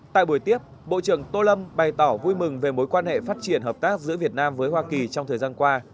tại buổi tiếp bộ trưởng tô lâm bày tỏ vui mừng về mối quan hệ phát triển hợp tác giữa việt nam với hoa kỳ trong thời gian qua